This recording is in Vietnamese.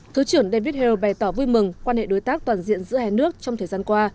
thứ trưởng david hale bày tỏ vui mừng quan hệ đối tác toàn diện giữa hai nước trong thời gian qua